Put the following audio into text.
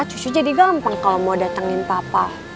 cucu jadi gampang kalau mau datangin papa